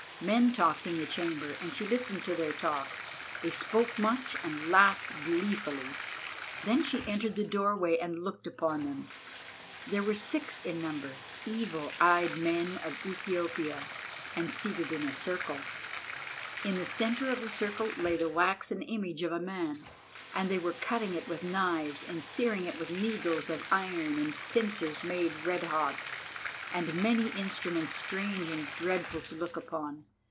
Men talked in the chamber, and she listened to their talk. They spoke much and laughed gleefully. Then she entered the doorway and looked upon them. They were six in number, evil eyed men of Ethiopia, and seated in a circle. In the centre of the circle lay the waxen image of a man, and they were cutting it with knives and searing it with needles of iron and pincers made red hot, and many instruments strange and dreadful to look upon.